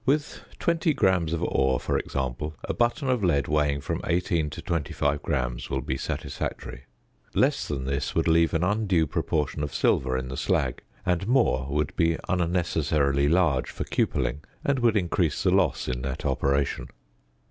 With 20 grams of ore, for example, a button of lead weighing from 18 to 25 grams will be satisfactory: less than this would leave an undue proportion of silver in the slag; and more would be unnecessarily large for cupelling, and would increase the loss in that operation.